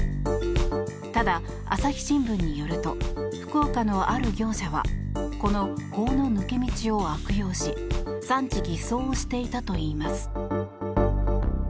ただ、朝日新聞によると福岡のある業者はこの法の抜け道を悪用し産地偽装をしていたといいます。